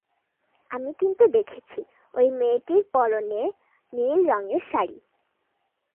আমি কিন্তু দেখেছি, ঐ মেয়েটির পরনে নীল রঙের শাড়ি।